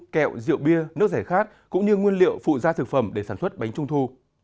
kẹo rượu bia nước rẻ khát cũng như nguyên liệu phụ gia thực phẩm để sản xuất bánh trung thu